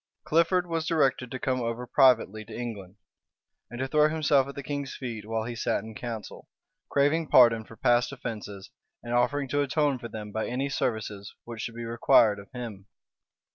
Clifford was directed to come over privately to England, and to throw himself at the king's feet while he sat in council; craving pardon for past offences and offering to atone for them by any services which should be required of him.